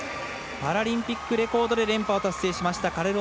パラリンピックで連覇を達成しました